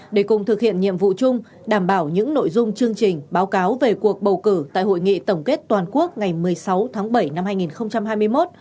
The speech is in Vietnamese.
để cùng thực hiện nhiệm vụ chung đảm bảo những nội dung chương trình báo cáo về cuộc bầu cử tại hội nghị tổng kết toàn quốc ngày một mươi sáu tháng bảy năm hai nghìn hai mươi một